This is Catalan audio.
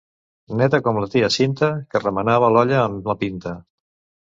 Neta com la tia Cinta, que remenava l'olla amb la pinta.